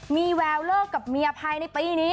มีแววเลิกกับเมียภายในปีนี้